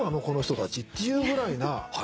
この人たちっていうぐらいな